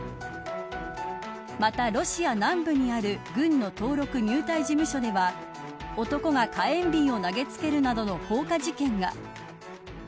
またロシア南部にある軍の登録入隊事務所では男が火炎瓶を投げつけるなどの放火事件が。